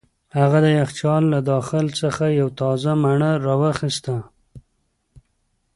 هغه د یخچال له داخل څخه یوه تازه مڼه را واخیسته.